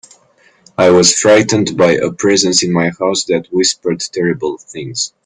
I was frightened by a presence in my house that whispered terrible things.